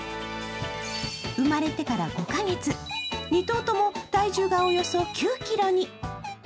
生まれてから５カ月、２頭とも体重がおよそ９ｋｇに。